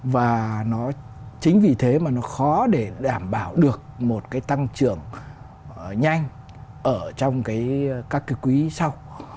và nó chính vì thế mà nó khó để đảm bảo được một cái tăng trưởng nhanh ở trong các cái quý sau